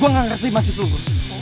gue gak ngerti masih dulu